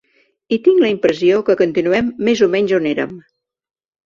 I tinc la impressió que continuem més o menys o érem.